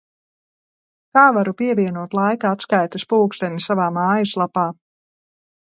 Kā varu pievienot laika atskaites pulksteni savā mājaslapā?